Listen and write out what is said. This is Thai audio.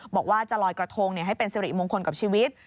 บอกว่าจะลอยกระทงให้เป็นสิริมงคลกับชีวิต